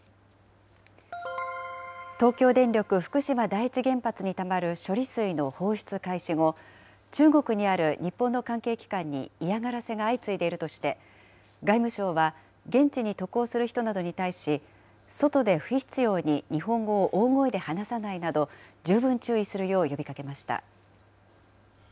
東京電力福島第一原発にたまる処理水の放出開始後、中国にある日本の関係機関に嫌がらせが相次いでいるとして、外務省は現地に渡航する人などに対し、外で不必要に日本語を大声で話さないなど、十分注意するよう呼びかけました。